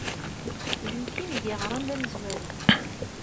D nekk ay am-d-yeɣran d amezwaru.